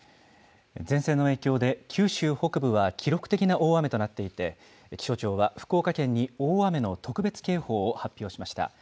前線の影響で、九州北部は記録的な大雨となっていて、気象庁は福岡県に大雨の特別警報を発表しました。